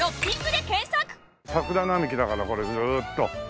桜並木だからこれずーっと。